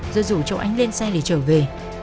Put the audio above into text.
rồi rủ cháu ánh lên xe để trở về